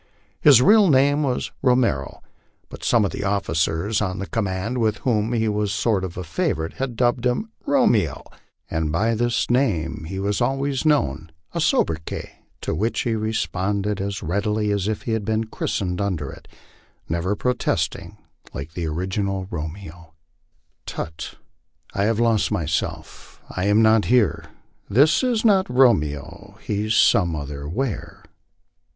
His real name was Romero, but some of the officers of the command, with whom he was a sort of favorite, had dubbed him Romeo, and by this name he was always known, a sobriquet to which he responded as readily as if he had been christened under it ; never protesting, like the ori ginal Romeo, Tut, I have lost myself; I am not here; This is not Romeo, he's some other where.